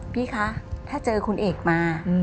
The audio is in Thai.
พี่คะถ้าเจอคุณเอกมา